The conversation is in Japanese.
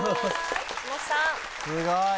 すごい。